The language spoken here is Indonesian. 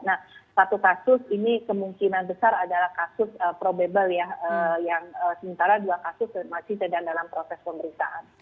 nah satu kasus ini kemungkinan besar adalah kasus probable ya yang sementara dua kasus masih sedang dalam proses pemeriksaan